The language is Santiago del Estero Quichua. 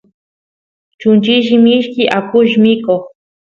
chunchilli mishki akush mikoq